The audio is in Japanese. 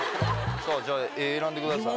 さぁじゃあ絵選んでください。